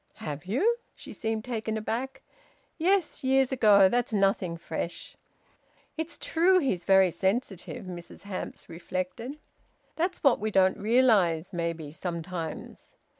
"Have you?" She seemed taken aback. "Yes. Years ago. That's nothing fresh." "It's true he's very sensitive," Mrs Hamps reflected. "That's what we don't realise, maybe, sometimes.